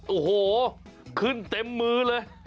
โอ้โหขึ้นเต็มมือเลย